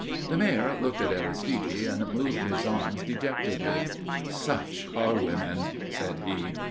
The Mayor looked at Aristide and moved his arms dejectedly. "Such are women," said he.